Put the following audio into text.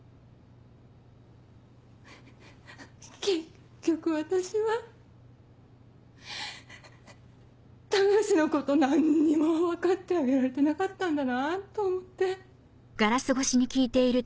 結局私は高志のこと何にも分かってあげられてなかったんだなと思って。